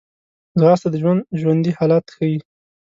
ځغاسته د ژوند ژوندي حالت ښيي